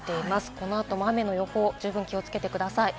この後も雨の予報を十分に気をつけてください。